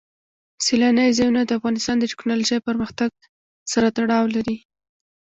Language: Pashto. سیلانی ځایونه د افغانستان د تکنالوژۍ پرمختګ سره تړاو لري.